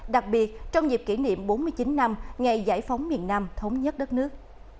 đặc biệt trong dịp kỷ niệm bốn mươi chín năm ngày giải phóng miền nam thống nhất đất nước